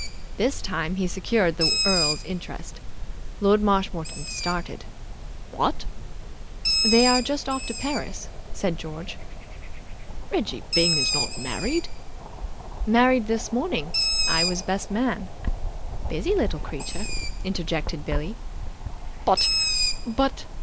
This time he secured the earl's interest. Lord Marshmoreton started. "What!" "They are just off to Paris," said George. "Reggie Byng is not married!" "Married this morning. I was best man." "Busy little creature!" interjected Billie. "But but